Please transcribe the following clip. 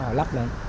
họ lắp lên